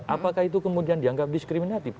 apakah itu kemudian dianggap diskriminatif